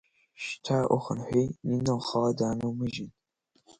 Шьҭа ухынҳәи, Нина лхала даанумыжьын.